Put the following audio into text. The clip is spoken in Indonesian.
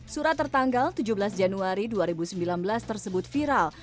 surat tertanggal tujuh belas januari dua ribu sembilan belas tersebut viral